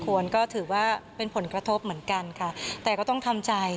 ควรก็ถือว่าเป็นผลกระทบเหมือนกันค่ะแต่ก็ต้องทำใจ